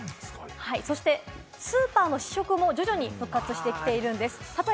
そしてスーパーの試食も徐々に復活してきているんです。